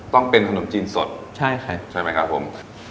ต้องเป็นขนมจีนสดใช่ไหมครับผมใช่ค่ะ